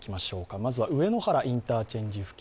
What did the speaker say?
まずは上野原インターチェンジ付近。